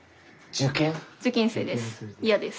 受験生です。